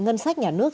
ngân sách nhà nước